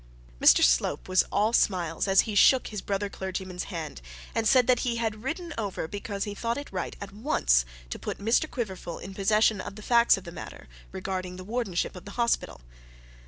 Mr Slope was all smiles as he shook his brother clergyman's hand, and said that he had ridden over because he thought it right at once to put Mr Quiverful in possession of the facts of the matter regarding the wardenship of the hospital.